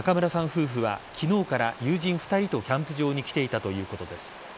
夫婦は昨日から友人２人とキャンプ場に来ていたということです。